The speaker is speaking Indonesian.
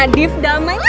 nadif damai lagi